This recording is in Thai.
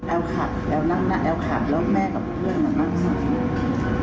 แอลขับแอลนั่งนั่งแอลขับแล้วแม่กับเพื่อนมานั่งสัง